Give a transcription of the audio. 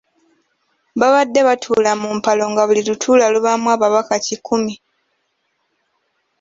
Babadde batuula mu mpalo nga buli lutuula lubaamu ababaka kikumi.